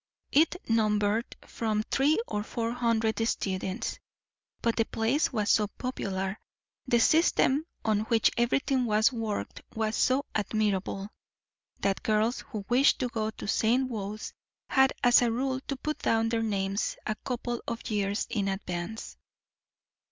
It numbered from three to four hundred students: but the place was so popular, the system on which everything was worked was so admirable, that girls who wished to go to St. Wode's, had as a rule to put down their names a couple of years in advance.